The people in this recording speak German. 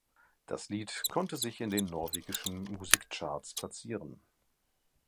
Das Lied konnte sich in den norwegischen Musikcharts platzieren.